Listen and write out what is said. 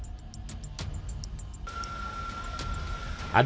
penangkal petir di rumah petir dan elektrostatis